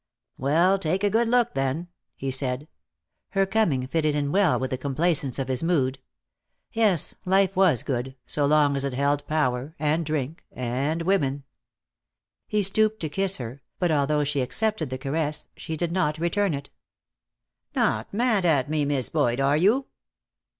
"Well, take a good look, then," he said. Her coming fitted in well with the complacence of his mood. Yes, life was good, so long as it held power, and drink, and women. He stooped to kiss her, but although she accepted the caress, she did not return it. "Not mad at me, Miss Boyd, are you?"